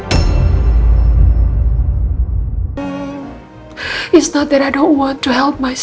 pada hari itu pihak pihak tante menolong mama kamu